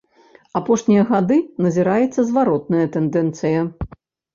Апошнія гады назіраецца зваротная тэндэнцыя.